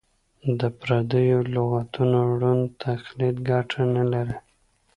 د پردیو لغتونو ړوند تقلید ګټه نه لري.